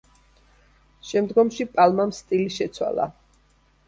შემდგომში პალმამ სტილი შეცვალა.